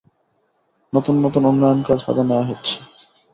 নতুন নতুন উন্নয়নকাজ হাতে নেওয়া হচ্ছে।